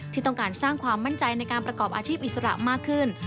ที่ต้องการสร้างความมั่นใจในการประกอบอาชีพอิสระมากขึ้น